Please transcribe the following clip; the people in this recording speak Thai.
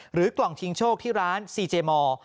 กล่องชิงโชคที่ร้านซีเจมอร์